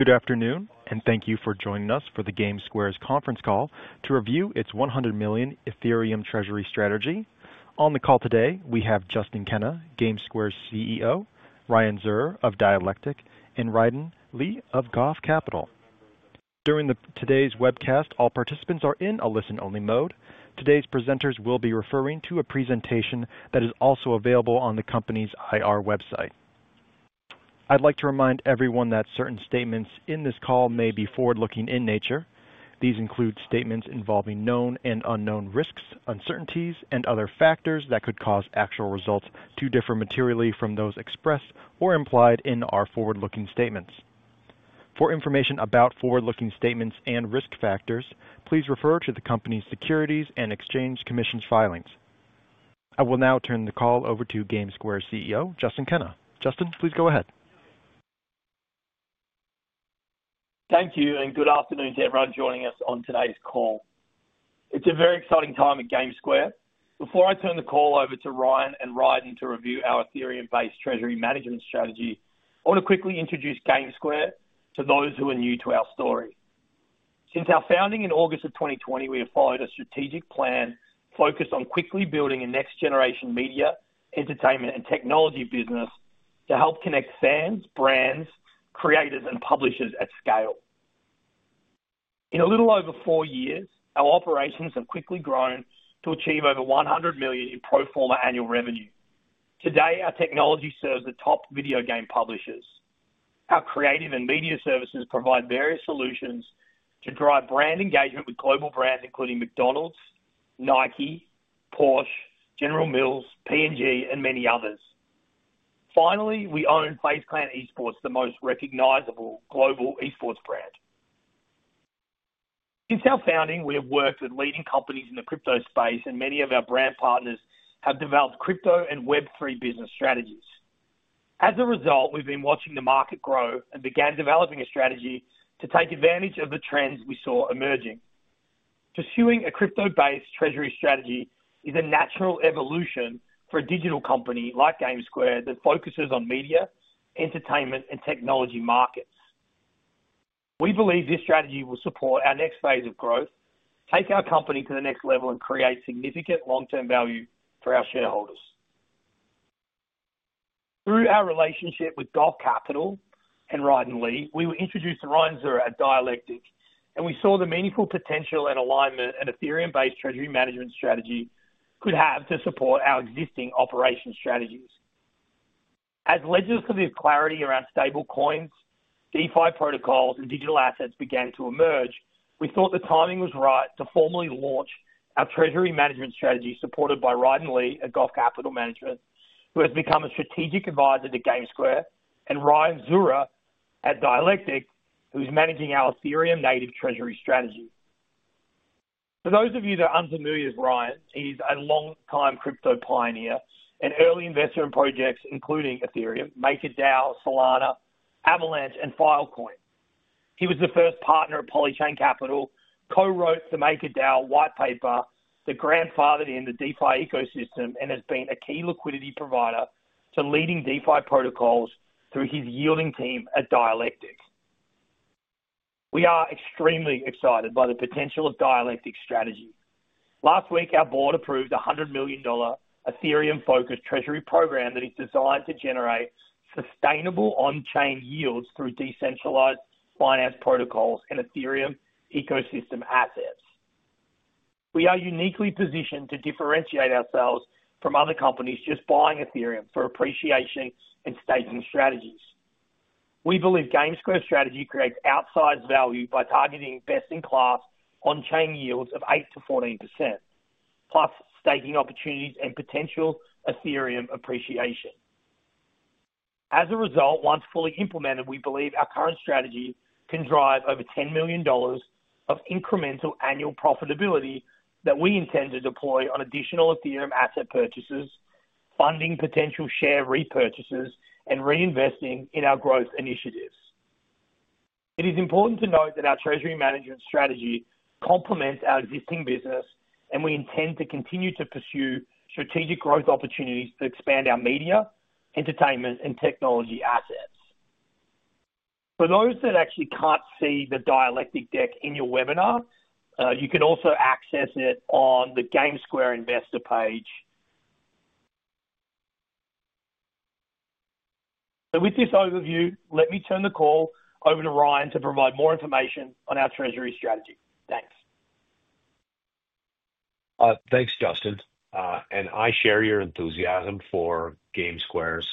Good afternoon and thank you for joining us for the GameSquare Holdings conference call to review its $100 million Ethereum treasury strategy. On the call today, we have Justin Kenna, GameSquare CEO, Ryan Zur of Dialectic, and Raiden Lee of Goff Capital. During today's webcast, all participants are in a listen-only mode. Today's presenters will be referring to a presentation that is also available on the company's IR website. I'd like to remind everyone that certain statements in this call may be forward-looking in nature. These include statements involving known and unknown risks, uncertainties, and other factors that could cause actual results to differ materially from those expressed or implied in our forward-looking statements. For information about forward-looking statements and risk factors, please refer to the company's Securities and Exchange Commission filings. I will now turn the call over to GameSquare's CEO, Justin Kenna. Justin, please go ahead. Thank you, and good afternoon to everyone joining us on today's call. It's a very exciting time at GameSquare. Before I turn the call over to Ryan and Raiden to review our Ethereum-based treasury management strategy, I want to quickly introduce GameSquare to those who are new to our story. Since our founding in August of 2020, we have followed a strategic plan focused on quickly building a next-generation media, entertainment, and technology business to help connect fans, brands, creators, and publishers at scale. In a little over four years, our operations have quickly grown to achieve over $100 million in pro forma annual revenue. Today, our technology serves the top video game publishers. Our creative and media services provide various solutions to drive brand engagement with global brands including McDonald's, Nike, Porsche, General Mills, P&G, and many others. Finally, we own and place Planet Esports, the most recognizable global esports brand. Since our founding, we have worked with leading companies in the crypto space, and many of our brand partners have developed crypto and Web3 business strategies. As a result, we've been watching the market grow and began developing a strategy to take advantage of the trends we saw emerging. Pursuing a crypto-based treasury strategy is a natural evolution for a digital company like GameSquare Holdings that focuses on media, entertainment, and technology markets. We believe this strategy will support our next phase of growth, take our company to the next level, and create significant long-term value for our shareholders. Through our relationship with Goff Capital and Raiden Lee, we were introduced to Ryan Zur at Dialectic, and we saw the meaningful potential and alignment an Ethereum-based treasury management strategy could have to support our existing operation strategies. As legislative clarity around stablecoins, DeFi protocols, and digital assets began to emerge, we thought the timing was right to formally launch our treasury management strategy, supported by Raiden Lee at Goff Capital, who has become a strategic advisor to GameSquare, and Ryan Zur at Dialectic, who is managing our Ethereum-native treasury strategy. For those of you that are unfamiliar with Ryan, he is a long-time crypto pioneer and early investor in projects including Ethereum, MakerDAO, Solana, Avalanche, and Filecoin. He was the first partner of Polychain Capital, co-wrote the MakerDAO whitepaper, the grandfather in the DeFi ecosystem, and has been a key liquidity provider to leading DeFi protocols through his yielding team at Dialectic. We are extremely excited by the potential of Dialectic's strategy. Last week, our board approved a $100 million Ethereum-focused treasury program that is designed to generate sustainable on-chain yields through decentralized finance protocols and Ethereum ecosystem assets. We are uniquely positioned to differentiate ourselves from other companies just buying Ethereum for appreciation and staking strategies. We believe GameSquare's strategy creates outsized value by targeting best-in-class on-chain yields of 8% to 14%, plus staking opportunities and potential Ethereum appreciation. As a result, once fully implemented, we believe our current strategy can drive over $10 million of incremental annual profitability that we intend to deploy on additional Ethereum asset purchases, funding potential share repurchases, and reinvesting in our growth initiatives. It is important to note that our treasury management strategy complements our existing business, and we intend to continue to pursue strategic growth opportunities to expand our media, entertainment, and technology assets. For those that actually can't see the Dialectic deck in your webinar, you can also access it on the GameSquare Investor page. With this overview, let me turn the call over to Ryan to provide more information on our treasury strategy. Thanks. Thanks, Justin. I share your enthusiasm for GameSquare's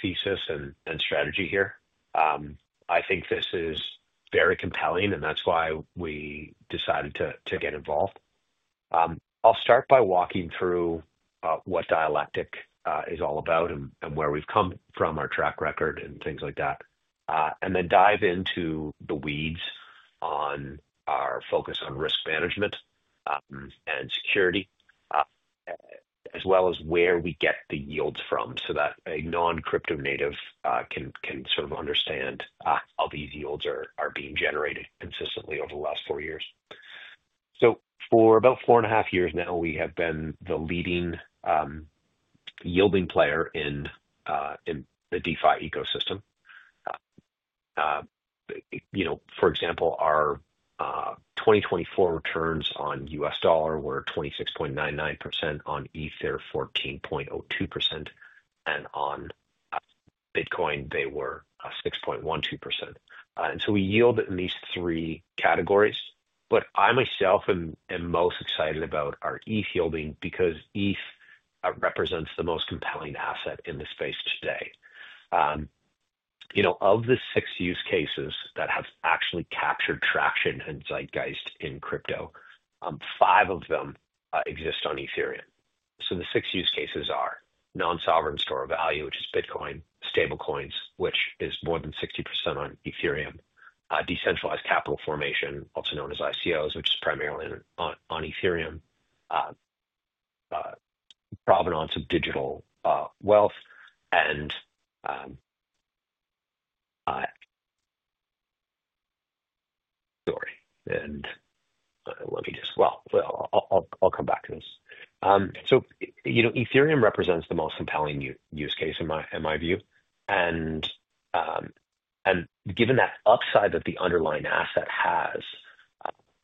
thesis and strategy here. I think this is very compelling, and that's why we decided to get involved. I'll start by walking through what Dialectic is all about and where we've come from, our track record, and things like that, then dive into the weeds on our focus on risk management and security, as well as where we get the yields from so that a non-crypto native can sort of understand how these yields are being generated consistently over the last four years. For about four and a half years now, we have been the leading yielding player in the DeFi ecosystem. For example, our 2024 returns on U.S. dollar were 26.99%, on Ether 14.02%, and on Bitcoin they were 6.12%. We yield in these three categories. I myself am most excited about our ETH yielding because ETH represents the most compelling asset in the space today. Of the six use cases that have actually captured traction and zeitgeist in crypto, five of them exist on Ethereum. The six use cases are non-sovereign store of value, which is Bitcoin; stablecoins, which is more than 60% on Ethereum; decentralized capital formation, also known as ICOs, which is primarily on Ethereum; provenance of digital wealth; and... Sorry. Let me just... I'll come back to this. Ethereum represents the most compelling use case in my view. Given that upside that the underlying asset has,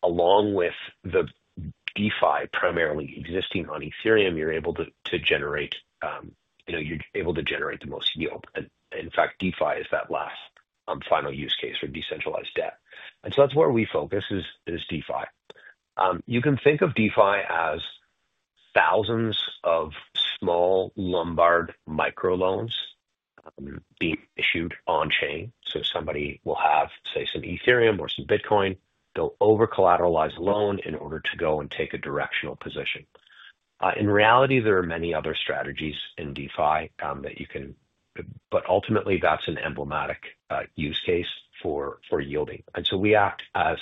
along with the DeFi primarily existing on Ethereum, you're able to generate the most yield. In fact, DeFi is that last final use case for decentralized debt. That's where we focus, is DeFi. You can think of DeFi as thousands of small lumbared microloans being issued on chain. Somebody will have, say, some Ethereum or some Bitcoin, they'll over-collateralize a loan in order to go and take a directional position. In reality, there are many other strategies in DeFi that you can... Ultimately, that's an emblematic use case for yielding. We act as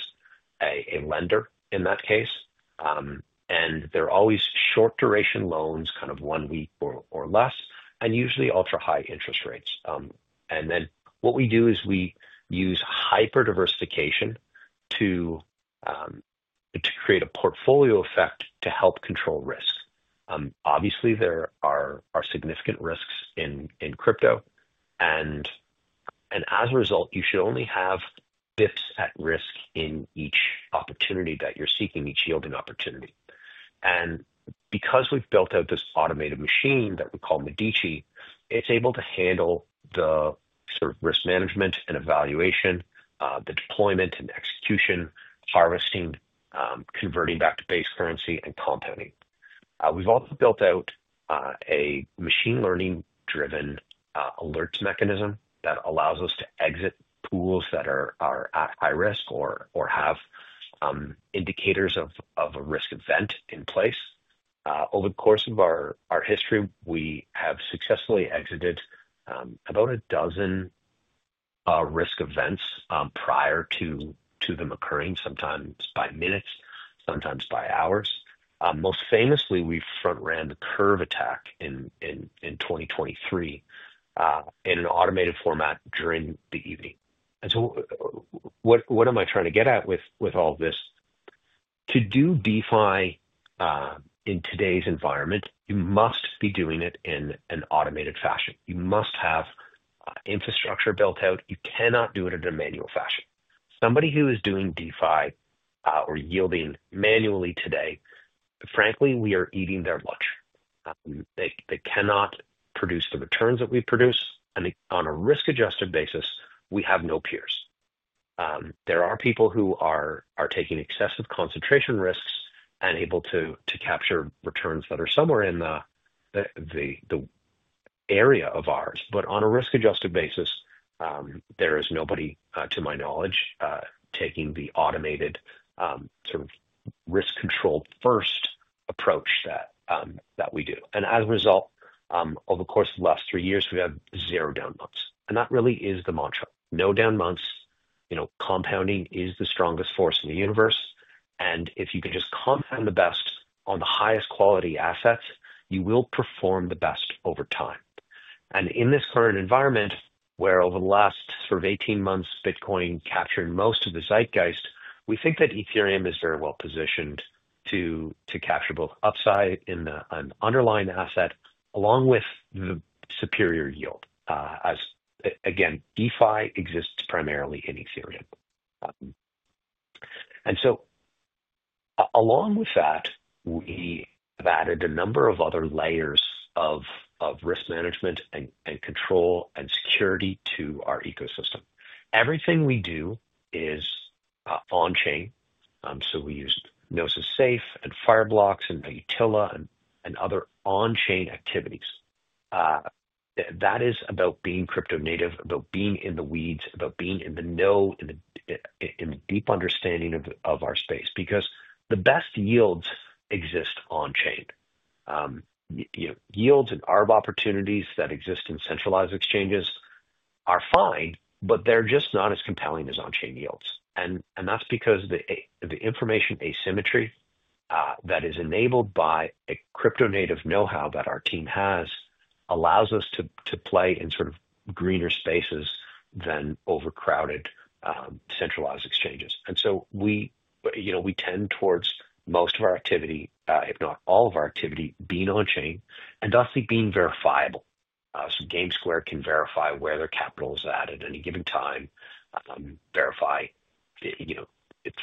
a lender in that case. They're always short duration loans, kind of one week or less, and usually ultra-high interest rates. What we do is we use hyper-diversification to create a portfolio effect to help control risk. Obviously, there are significant risks in crypto. As a result, you should only have bps at risk in each opportunity that you're seeking, each yielding opportunity. Because we've built out this automated machine that we call Medici, it's able to handle the risk management and evaluation, the deployment and execution, harvesting, converting back to base currency, and compounding. We've also built out a machine learning-driven alert mechanism that allows us to exit pools that are at high risk or have indicators of a risk event in place. Over the course of our history, we have successfully exited about a dozen risk events prior to them occurring, sometimes by minutes, sometimes by hours. Most famously, we front-ran the Curve attack in 2023 in an automated format during the evening. What am I trying to get at with all of this? To do DeFi in today's environment, you must be doing it in an automated fashion. You must have infrastructure built out. You cannot do it in a manual fashion. Somebody who is doing DeFi or yielding manually today, frankly, we are eating their lunch. They cannot produce the returns that we produce. On a risk-adjusted basis, we have no peers. There are people who are taking excessive concentration risks and able to capture returns that are somewhere in the area of ours. On a risk-adjusted basis, there is nobody, to my knowledge, taking the automated sort of risk-controlled first approach that we do. As a result, over the course of the last three years, we've had zero down months. That really is the mantra. No down months. You know, compounding is the strongest force in the universe. If you can just compound the best on the highest quality assets, you will perform the best over time. In this current environment, where over the last sort of 18 months, Bitcoin captured most of the zeitgeist, we think that Ethereum is very well positioned to capture both upside in the underlying asset, along with the superior yield, as again, DeFi exists primarily in Ethereum. Along with that, we have added a number of other layers of risk management and control and security to our ecosystem. Everything we do is on chain. We use NoSys Safe and Fireblocks and Utila and other on-chain activities. That is about being crypto native, about being in the weeds, about being in the know, in the deep understanding of our space, because the best yields exist on chain. Yields and ARB opportunities that exist in centralized exchanges are fine, but they're just not as compelling as on-chain yields. That's because the information asymmetry that is enabled by a crypto-native know-how that our team has allows us to play in sort of greener spaces than overcrowded centralized exchanges. We tend towards most of our activity, if not all of our activity, being on chain and thus being verifiable. GameSquare can verify where their capital is at at any given time, verify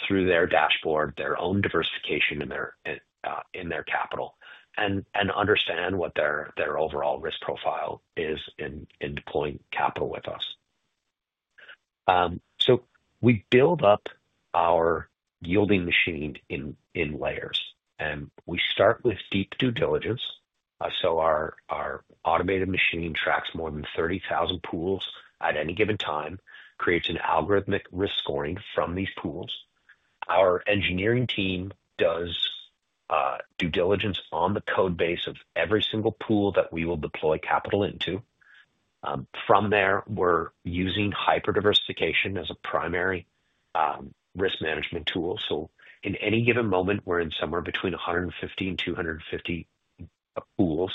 through their dashboard their own diversification in their capital, and understand what their overall risk profile is in deploying capital with us. We build up our yielding machine in layers. We start with deep due diligence. Our automated machine tracks more than 30,000 pools at any given time, creates an algorithmic risk scoring from these pools. Our engineering team does due diligence on the code base of every single pool that we will deploy capital into. From there, we're using hyper-diversification as a primary risk management tool. In any given moment, we're in somewhere between 150 and 250 pools.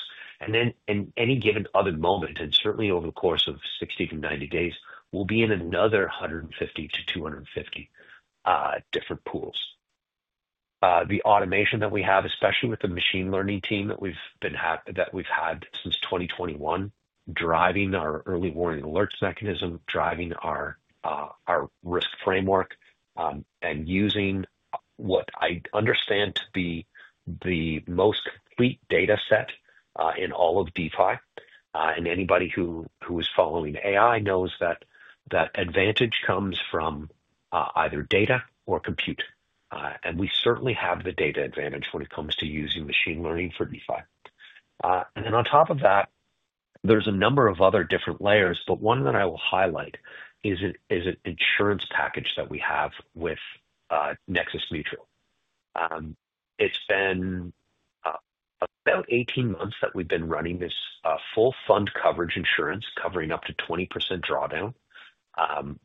In any given other moment, and certainly over the course of 60 to 90 days, we'll be in another 150 to 250 different pools. The automation that we have, especially with the machine learning team that we've had since 2021, driving our early warning alerts mechanism, driving our risk framework, and using what I understand to be the most complete data set in all of DeFi. Anybody who is following AI knows that that advantage comes from either data or compute. We certainly have the data advantage when it comes to using machine learning for DeFi. On top of that, there's a number of other different layers, but one that I will highlight is an insurance package that we have with Nexus Mutual. It's been about 18 months that we've been running this full fund coverage insurance, covering up to 20% drawdown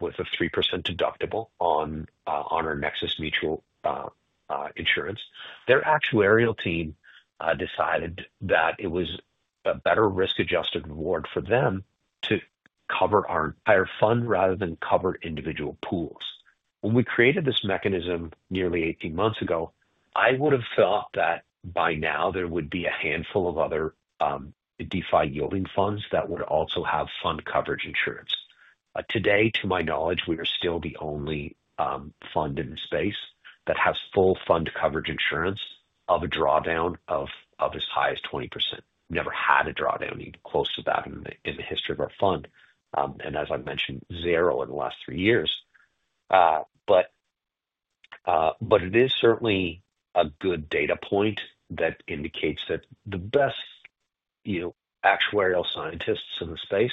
with a 3% deductible on our Nexus Mutual insurance. Their actuarial team decided that it was a better risk-adjusted reward for them to cover our entire fund rather than cover individual pools. When we created this mechanism nearly 18 months ago, I would have thought that by now there would be a handful of other DeFi yielding funds that would also have fund coverage insurance. Today, to my knowledge, we are still the only fund in the space that has full fund coverage insurance of a drawdown of as high as 20%. Never had a drawdown even close to that in the history of our fund. As I mentioned, zero in the last three years. It is certainly a good data point that indicates that the best actuarial scientists in the space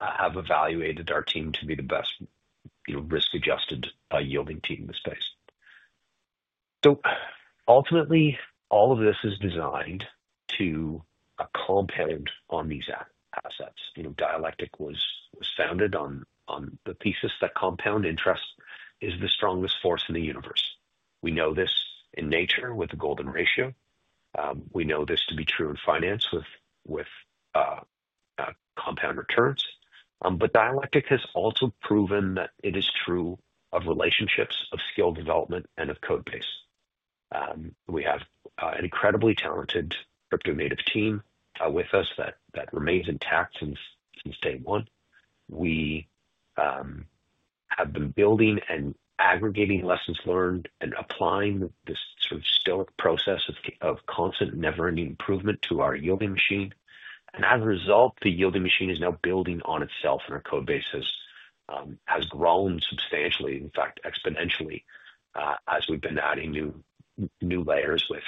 have evaluated our team to be the best risk-adjusted yielding team in the space. Ultimately, all of this is designed to compound on these assets. Dialectic was founded on the thesis that compound interest is the strongest force in the universe. We know this in nature with the golden ratio. We know this to be true in finance with compound returns. Dialectic has also proven that it is true of relationships, of skill development, and of code base. We have an incredibly talented crypto native team with us that remains intact since day one. We have been building and aggregating lessons learned and applying this sort of stoic process of constant never-ending improvement to our yielding machine. As a result, the yielding machine is now building on itself, and our code base has grown substantially, in fact, exponentially, as we've been adding new layers with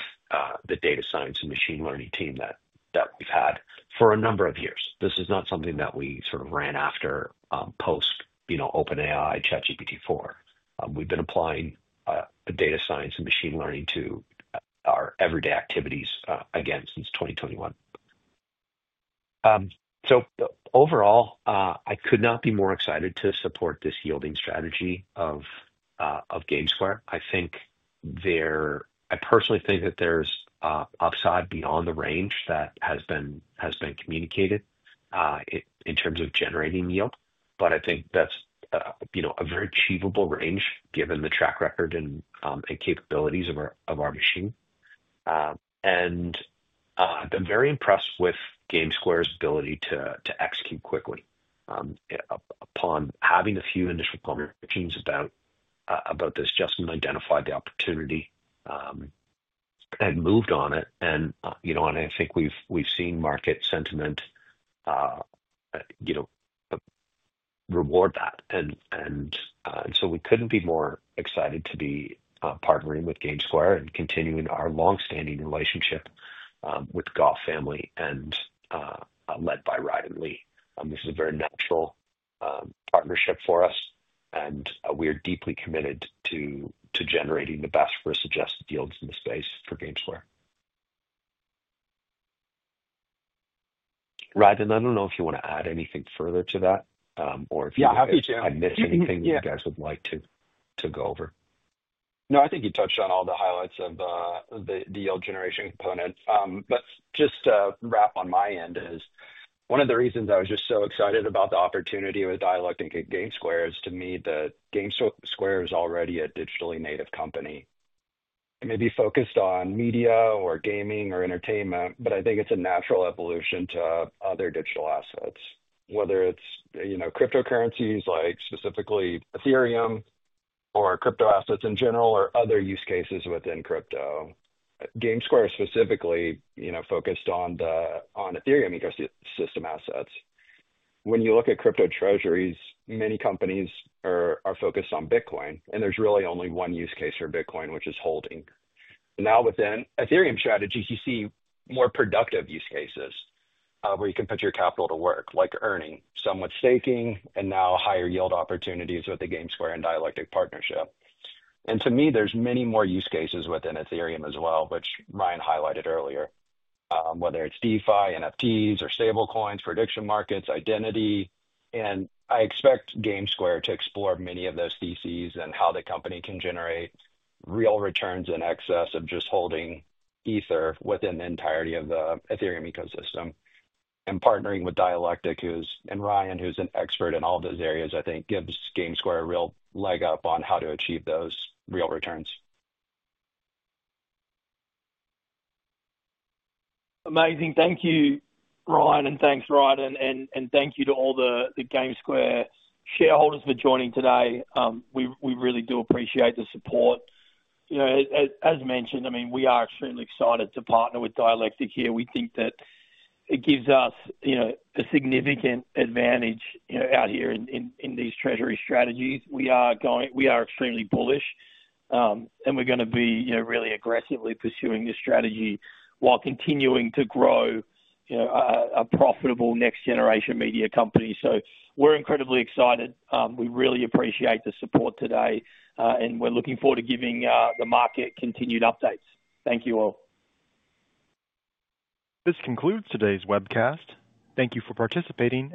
the data science and machine learning team that we've had for a number of years. This is not something that we ran after post-OpenAI, ChatGPT-4. We've been applying data science and machine learning to our everyday activities again since 2021. Overall, I could not be more excited to support this yielding strategy of GameSquare. I personally think that there's upside beyond the range that has been communicated in terms of generating yield. I think that's a very achievable range given the track record and capabilities of our machine. I'm very impressed with GameSquare's ability to execute quickly. Upon having a few initial conversations about this, Justin identified the opportunity and moved on it. I think we've seen market sentiment reward that. We couldn't be more excited to be partnering with GameSquare and continuing our longstanding relationship with the Goff family led by Raiden Lee. This is a very natural partnership for us. We are deeply committed to generating the best risk-adjusted yields in the space for GameSquare. Raiden, I don't know if you want to add anything further to that or if you have anything you guys would like to go over. No, I think you touched on all the highlights of the yield generation component. Let's just wrap on my end. One of the reasons I was just so excited about the opportunity with Dialectic and GameSquare Holdings is to me that GameSquare Holdings is already a digitally native company. It may be focused on media or gaming or entertainment, but I think it's a natural evolution to other digital assets, whether it's, you know, cryptocurrencies like specifically Ethereum or crypto assets in general or other use cases within crypto. GameSquare specifically, you know, focused on the on Ethereum ecosystem assets. When you look at crypto treasuries, many companies are focused on Bitcoin, and there's really only one use case for Bitcoin, which is holding. Now, within Ethereum strategies, you see more productive use cases where you can put your capital to work, like earning, somewhat staking, and now higher yield opportunities with the GameSquare and Dialectic partnership. To me, there's many more use cases within Ethereum as well, which Ryan highlighted earlier, whether it's DeFi, NFTs, or stablecoins, prediction markets, identity. I expect GameSquare to explore many of those theses and how the company can generate real returns in excess of just holding Ether within the entirety of the Ethereum ecosystem. Partnering with Dialectic, who's, and Ryan, who's an expert in all of those areas, I think gives GameSquare Holdings a real leg up on how to achieve those real returns. Amazing. Thank you, Ryan, and thanks, Raiden, and thank you to all the GameSquare shareholders for joining today. We really do appreciate the support. As mentioned, we are extremely excited to partner with Dialectic here. We think that it gives us a significant advantage out here in these treasury strategies. We are extremely bullish, and we're going to be really aggressively pursuing this strategy while continuing to grow a profitable next-generation media company. We're incredibly excited. We really appreciate the support today, and we're looking forward to giving the market continued updates. Thank you all. This concludes today's webcast. Thank you for participating.